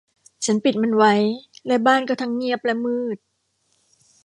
ฉันปิดมันไว้ และบ้านก็ทั้งเงียบและมืด